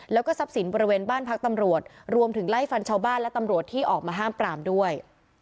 แล้วก็ทรัพย์สินบริเวณบ้านพักตำรวจรวมถึงไล่ฟันชาวบ้านและตำรวจที่ออกมาห้ามปรามด้วย